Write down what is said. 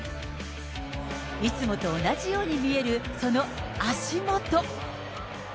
いつもと同じように見える、その足元。